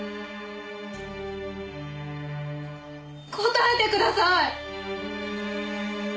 答えてください！